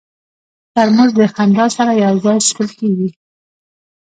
ترموز د خندا سره یو ځای څښل کېږي.